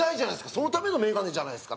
そのためのメガネじゃないですか。